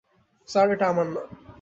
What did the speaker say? Sir, এটা আমার না।